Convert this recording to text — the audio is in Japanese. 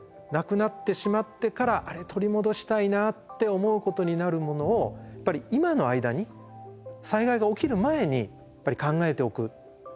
なくなってしまってからあれ取り戻したいなって思うことになるものを今の間に災害が起きる前に考えておく。